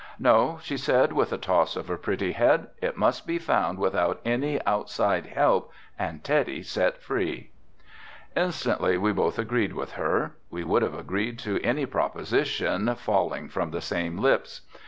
"No," she said, with a toss of her pretty head, "it must be found without any outside help and Teddy set free." Instantly we both agreed with her. We would have agreed to any proposition falling from the same lips.